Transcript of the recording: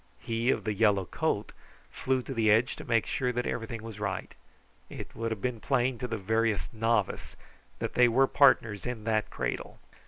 He of the yellow coat flew to the edge to make sure that everything was right. It would have been plain to the veriest novice that they were partners in that cradle.